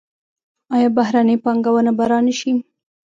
آیا بهرنۍ پانګونه به را نشي؟